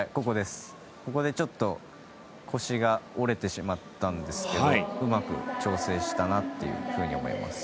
ここで腰が折れてしまったんですけどうまく調整したなというふうに思います。